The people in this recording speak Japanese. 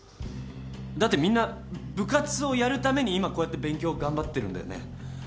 だってみんな部活をやるために今こうやって勉強頑張ってるんだよね。